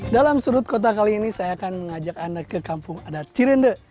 dalam sudut kota kali ini saya akan mengajak anda ke kampung adat cirende